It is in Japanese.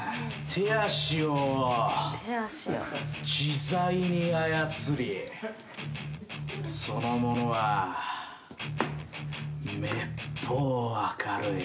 手足を自在に操りその者はめっぽう明るい。